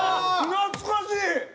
懐かしい！